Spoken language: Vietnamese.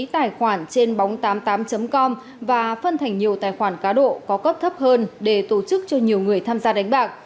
tài khoản trên bóng tám mươi tám com và phân thành nhiều tài khoản cá độ có cấp thấp hơn để tổ chức cho nhiều người tham gia đánh bạc